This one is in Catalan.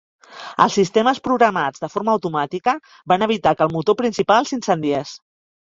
Els sistemes programats de forma automàtica van evitar que el motor principal s'incendiés.